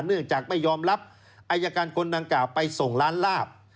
เนื่องจากไม่ยอมรับอายการคนดังกล่าวไปส่งร้านลาบ